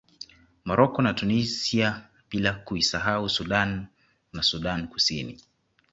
Morocco na Tunisia bila kuisahau Sudan na Sudani Kusini